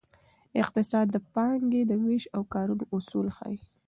اقتصاد د پانګې د ویش او کارونې اصول ښيي.